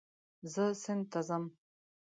زه سیند ته ځم